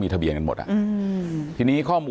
ไม่ตั้งใจครับ